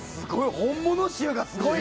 本物臭がすごいね！